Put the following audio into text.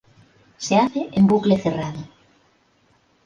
Se hace en bucle cerrado.